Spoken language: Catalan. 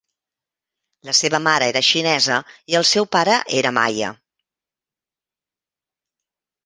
La seva mare era xinesa i el seu pare era Maia.